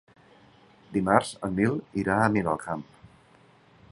Dimarts en Nil irà a Miralcamp.